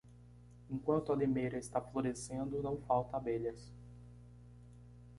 Enquanto a limeira está florescendo, não falta abelhas.